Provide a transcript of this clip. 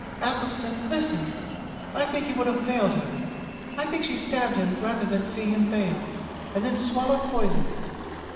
Athelstan listen! I think he would have failed her! I think she stabbed him rather than see him fail, and then swallowed poison!